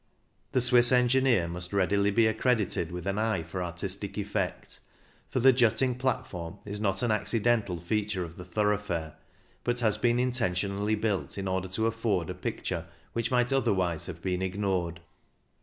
The Swiss engineer must readily be ac credited with an eye for artistic effect, for the jutting platform is not an accidental feature of the thoroughfare, but has been intentionally built in order to afford a picture which might otherwise have been Ignored.